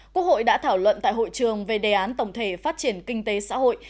quốc hội đã thảo luận tại hội trường về đề án tổng thể phát triển kinh tế xã hội